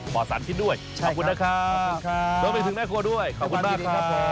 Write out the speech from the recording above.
ปลอสารที่ด้วยขอบคุณล่ะครับรบไปถึงแม่ครัวด้วยขอบคุณมาก